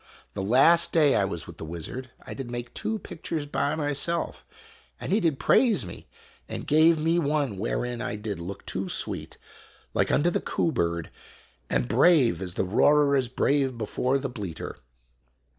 The last day I was with the wizard, I did make two pictures by myself, and he did praise me and gave me one wherein I did look too sweet, like unto the coo bird, and brave as the roarer is brave before the bleater.